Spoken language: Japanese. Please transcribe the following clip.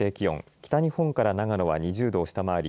北日本から長野は２０度を下回り